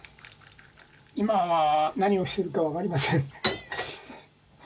今は何をしてるか分かりません。